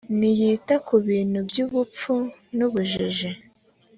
ntiyita kubintu by ‘ubupfu n’ ubujiji.